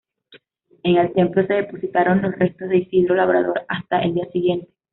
En el templo se depositaron los restos de Isidro Labrador hasta el día siguiente.